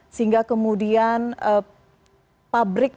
sehingga kemudian pabrik pabrik